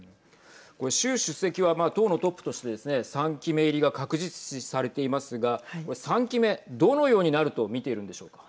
これ習主席は党のトップとしてですね３期目入りが確実視されていますがこれ、３期目どのようになると見ているんでしょうか。